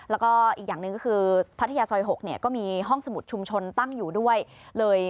แล้วก็อีกอย่างหนึ่งก็คือพัทยาซอย๖เนี่ยก็มีห้องสมุดชุมชนตั้งอยู่ด้วยเลย